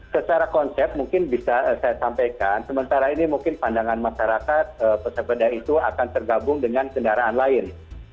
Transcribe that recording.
secara konsep mungkin bisa saya sampaikan sementara ini mungkin pandangan masyarakat pesepeda itu akan tergabung dengan kendaraan lain